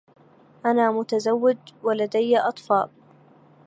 أنا متزوج و لديّ أطفال.